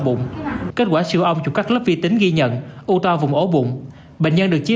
bụng kết quả siêu ong dùng các lớp vi tính ghi nhận u to vùng ổ bụng bệnh nhân được chia